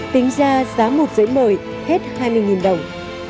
tính ra giá một giấy mời hết hai mươi đồng